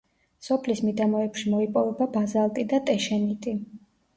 სოფლის მიდამოებში მოიპოვება ბაზალტი და ტეშენიტი.